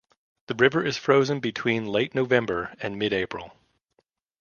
The river is frozen between late November and mid April.